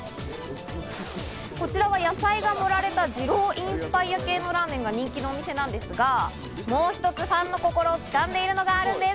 こちらは野菜が盛られた二郎インスパイア系のラーメンが人気のお店なんですが、もう一つ、ファンの心をつかんでいるのがあるんです。